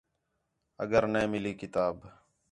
اگر نے مِلی کتاب